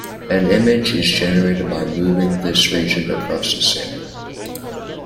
An image is generated by moving this region across a sample.